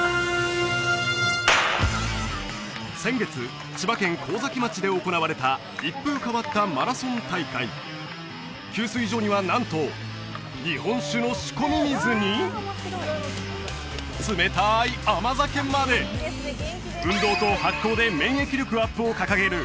先月千葉県神崎町で行われた一風変わったマラソン大会給水所にはなんと日本酒の仕込み水に冷たい甘酒まで運動と発酵で免疫力アップを掲げる